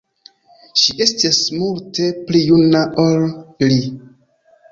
Ŝi estis multe pli juna ol li.